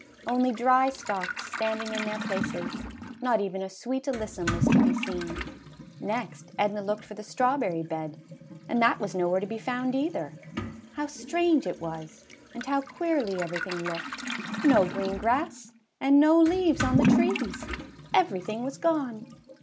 Only dry stalks standing in their places, — ^not even a sweet alyssum was to be seen. Next, Edna looked for the strawberry bed, and that was nowhere to be found either. How strange it was and how queerly every thing looked! No green grass, and no leaves on the trees ! Everything was gone